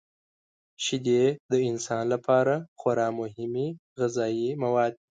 شیدې د انسان لپاره خورا مهمې غذايي مواد دي.